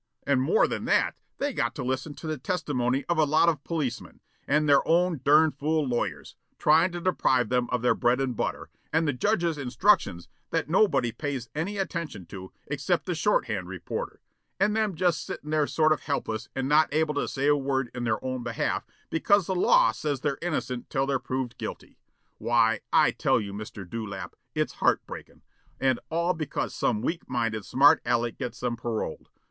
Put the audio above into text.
And more than that, they got to listen to the testimony of a lot of policemen, and their own derned fool lawyers, tryin' to deprive them of their bread and butter, and the judge's instructions that nobody pays any attention to except the shorthand reporter, and them just settin' there sort of helpless and not even able to say a word in their own behalf because the law says they're innocent till they're proved guilty, why, I tell you, Mr. Dewlap, it's heart breakin'. And all because some weak minded smart aleck gets them paroled.